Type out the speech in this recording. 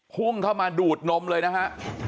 พุ่งเข้ามาดูดนมเลยนะฮะ